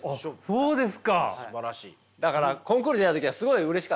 そうです。